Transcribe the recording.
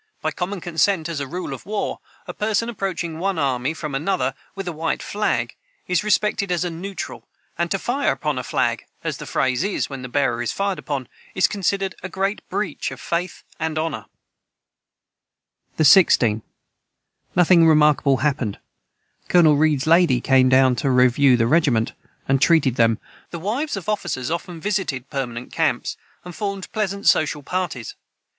By common consent, as a rule of war, a person approaching one army from another, with a white flag, is respected as a neutral; and to "fire upon a flag," as the phrase is when the bearer is fired upon, is considered a great breach of faith and honor.] the 16. Nothing remarkable hapned Colonel Reeds Laidy came down to reveu the Regiment and treated them nothing more this day. [Footnote 170: The wives of officers often visited permanent camps, and formed pleasant social parties. Mrs.